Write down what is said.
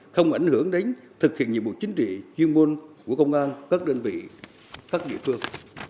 không ảnh hưởng đến thực hiện nhiệm vụ chính trị chuyên môn của công an các đơn vị các địa phương